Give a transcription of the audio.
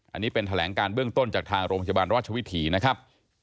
อันนี้เป็นแถลงการเบื้องต้นจากทางโรงพยาบาลราชวิถีนะครับ